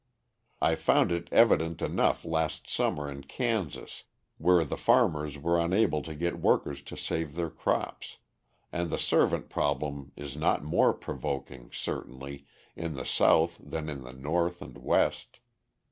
I found it evident enough last summer in Kansas where the farmers were unable to get workers to save their crops; and the servant problem is not more provoking, certainly, in the South than in the North and West.